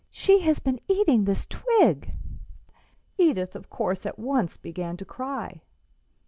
She has been eating this twig." Edith, of course, at once began to cry.